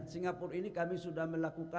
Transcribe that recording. singapura ini kami sudah melakukan